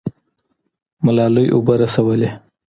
ملالۍ اوبه رسولې.